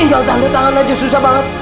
tinggal tanda tangan aja susah banget